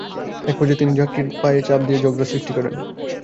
একপর্যায়ে তিনি ছাত্রীর পায়ে চাপ দিয়ে ঝগড়ার সৃষ্টি করেন।